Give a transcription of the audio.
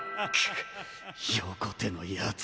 横手のやつ！